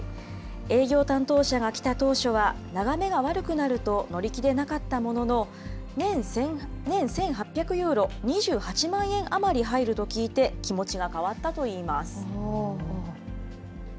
営業担当者が来た当初は、眺めが悪くなると乗り気でなかったものの、年１８００ユーロ、２８万円余り入ると聞いて、気持ちが変わったといいます。